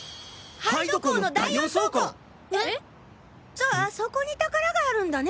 そそこに宝があるんだね？